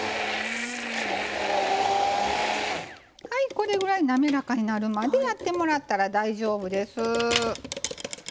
これぐらいなめらかになるまでやってもらったら大丈夫です。